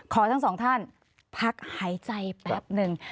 ทั้งสองท่านพักหายใจแป๊บหนึ่ง